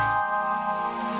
terserah bapak sajalah